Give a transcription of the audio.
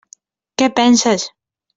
Què penses?